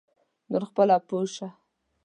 نور خپله پوی شه.